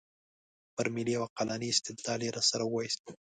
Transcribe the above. پر ملي او عقلاني استدلال یې راسره وایاست.